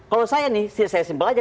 kalau saya nih saya simpel aja